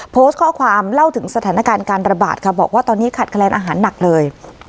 โพสต์ข้อความเล่าถึงสถานการณ์การระบาดค่ะบอกว่าตอนนี้ขัดคะแนนอาหารหนักเลย